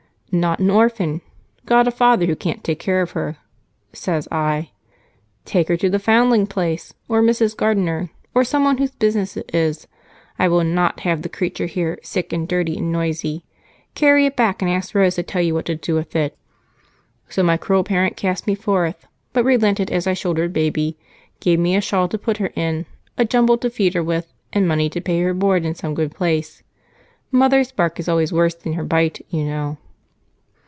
'Not an orphan got a father who can't take care of her,' says I. 'Take her to the Foundling place, or Mrs. Gardener, or someone whose business it is. I will not have the creature here, sick and dirty and noisy. Carry it back, and ask Rose to tell you what to do with it.' So my cruel parent cast me forth but relented as I shouldered baby, gave me a shawl to put her in, a jumble to feed her with, and money to pay her board in some good place. Mother's bark is always worse than her bite, you know."